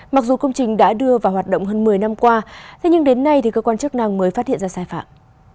mặc dù công trình đã đưa vào hoạt động hơn một mươi năm qua thế nhưng đến nay cơ quan chức năng mới phát hiện ra sai phạm